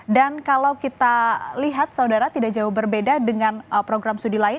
dan kalau kita lihat saudara tidak jauh berbeda dengan program studi lain